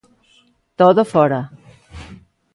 Todo fóra.